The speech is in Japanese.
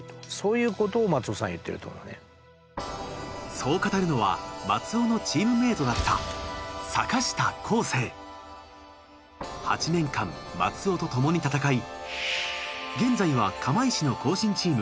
そう語るのは松尾のチームメイトだった８年間松尾と共に戦い現在は釜石の後身チーム